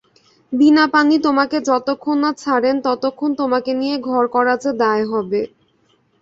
বীণাপাণি তোমাকে যতক্ষণ না ছাড়েন ততক্ষণ তোমাকে নিয়ে ঘর করা যে দায় হবে।